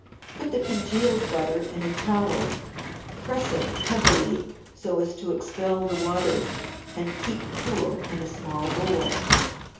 Put the congealed butter in a towel, press it heavily so as to expel the water, and keep cool in a small bowl.